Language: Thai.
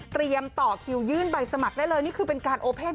ต่อคิวยื่นใบสมัครได้เลยนี่คือเป็นการโอเพศ